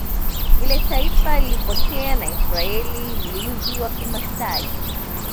vile taifa lililopotea la Israel Mlinzi wa kimasai